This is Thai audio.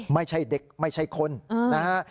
ไม่ใช่เด็กไม่ใช่คนนะฮะ